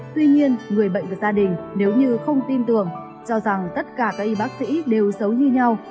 tuy nhiên người bệnh và gia đình nếu như không tin tưởng cho rằng tất cả các y bác sĩ đều xấu như nhau